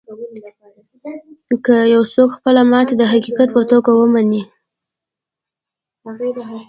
که يو څوک خپله ماتې د حقيقت په توګه و نه مني.